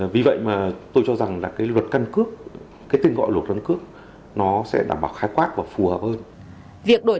vì vậy mà tôi cho rằng là cái luật căn cước cái tên gọi luật căn cước nó sẽ đảm bảo khai quát và phù hợp hơn